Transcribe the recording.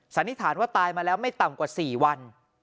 สันนิษฐานว่าตายมาแล้วไม่ต่ำกว่า๔วัน